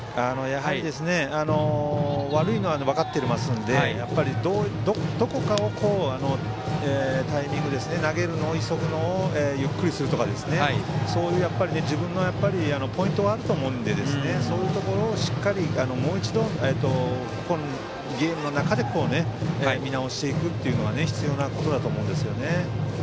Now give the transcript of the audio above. やっぱり、悪いのは分かっていますのでどこかを、タイミング投げるのを急ぐのをゆっくりするとかそういう自分のポイントがあると思うのでそういうところをしっかりもう一度、ゲームの中で見直していくのは必要なことだと思うんですね。